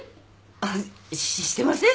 あっしてません